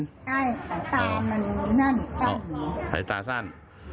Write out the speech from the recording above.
ใช่สายตามันนั่นสั้นสายตาสั้น